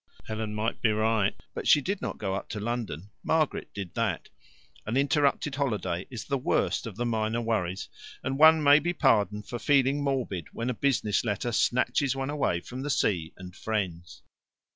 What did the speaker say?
Helen might be right, but she did not go up to London. Margaret did that. An interrupted holiday is the worst of the minor worries, and one may be pardoned for feeling morbid when a business letter snatches one away from the sea and friends.